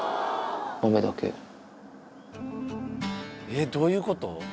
えっどういうこと？